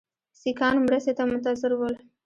سیکهانو مرستې ته منتظر ول.